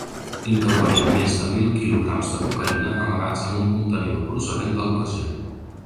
Intervenim més de mil kg de cocaïna amagats en un contenidor procedent del Brasil.